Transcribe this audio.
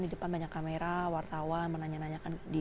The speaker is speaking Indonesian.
di depan banyak kamera wartawan menanya nanyakan di